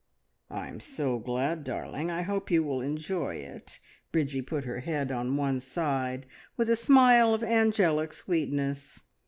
"I'm so glad, darling! I hope you will enjoy it!" Bridgie put her head on one side, with a smile of angelic sweetness.